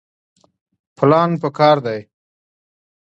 پلان پکار دی